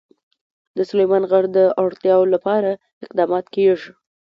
د سلیمان غر د اړتیاوو لپاره اقدامات کېږي.